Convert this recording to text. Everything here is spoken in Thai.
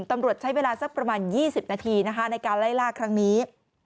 ตำรวจใช้เวลาสักประมาณ๒๐นาทีนะคะในการไล่ล่าครั้งนี้